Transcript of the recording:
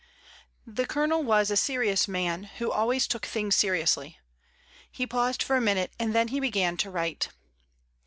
The Colonel was a serious man, who always took things seriously; he paused for a minute and then he began to write.